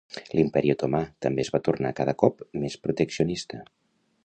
L'Imperi Otomà també es va tornar cada cop més proteccionista.